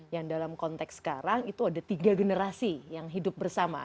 yang dalam konteks sekarang itu ada tiga generasi yang hidup bersama